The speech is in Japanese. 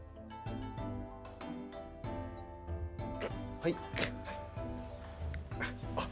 はい。